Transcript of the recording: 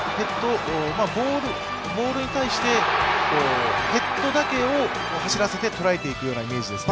ボールに対してヘッドだけを走らせて捉えていくようなイメージですね。